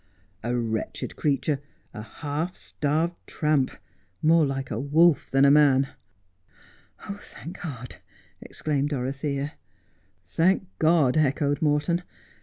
42 Just as I Am. ' A wretched creature — a half starved tramp — more like a wolf than a man.' ' Thank God,' exclaimed Dorothea. ' Thank God,' echoed Morton.